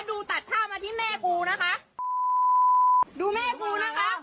ผู้ชายนะคะทะเลาะกับผู้หญิงนะคะ